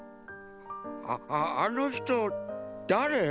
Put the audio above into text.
ああのひとだれ？